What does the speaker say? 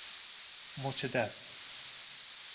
مچ دست